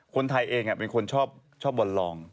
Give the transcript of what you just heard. คนไทยเองเป็นคนชอบบอลลอง